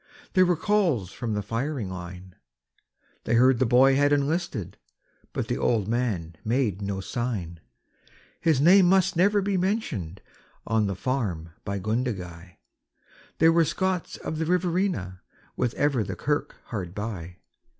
There were calls from the firing line; They heard the boy had enlisted, but the old man made no sign. His name must never be mentioned on the farm by Gundagai They were Scots of the Riverina with ever the kirk hard by.